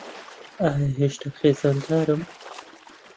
ئایا هێشتا خێزاندارم؟